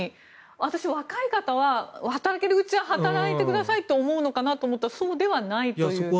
私、若い方は働けるうちは働いてくださいと思うのかなと思ったらそうではないということなんですね。